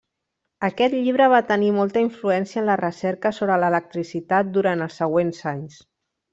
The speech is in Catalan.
Aquest llibre va tenir molta influència en la recerca sobre l'electricitat durant els següents anys.